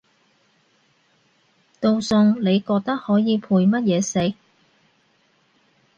道餸你覺得可以配乜嘢食？